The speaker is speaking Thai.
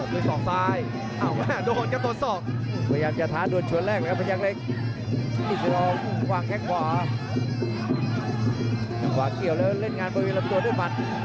ผ่าพยายามจะเขียกอย่างไม่ลงครับ